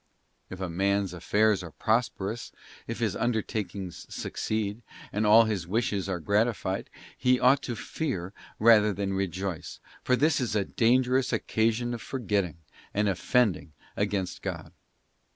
* If a man's affairs are prosperous, if his undertakings succeed, and all his wishes are gratified, he ought to fear rather than rejoice, for this is a dangerous occasion of for getting, and offending against, God.